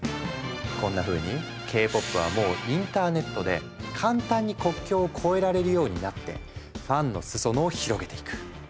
こんなふうにＫ−ＰＯＰはもうインターネットで簡単に国境をこえられるようになってファンの裾野を広げていく。